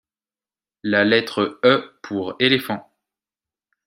la lettre E pour éléphant